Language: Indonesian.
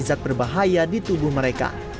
zat berbahaya di tubuh mereka